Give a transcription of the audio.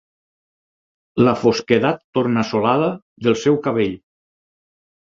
La fosquedat tornassolada del seu cabell